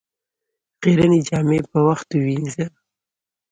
خيرنې جامې په وخت ووينځه